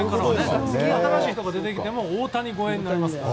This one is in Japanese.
次新しい人が出てきても大谷超えになりますから。